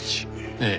ええ。